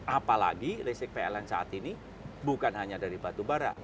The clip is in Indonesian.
apalagi listrik pln saat ini bukan hanya dari batu bara